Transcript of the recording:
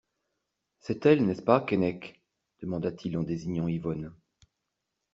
C'est-elle, n'est-ce pas, Keinec ? demanda-t-il en désignant Yvonne.